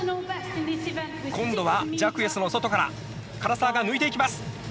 今度は、ジャクエスの外から唐澤が抜いていきます！